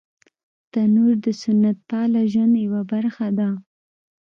تنور د سنت پاله ژوند یوه برخه ده